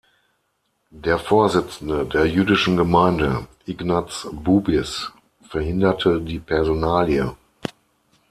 Der Vorsitzende der Jüdischen Gemeinde, Ignatz Bubis, verhinderte die Personalie.